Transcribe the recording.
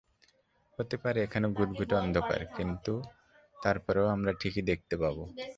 হতে পারে এখানে ঘুটঘুটে অন্ধকার, কিন্তু তারপরও আমরা ঠিকই দেখতে পাব।